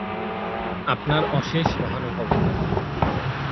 আপনার অশেষ মহানুভবতা।